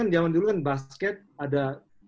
zaman dulu kan basket ada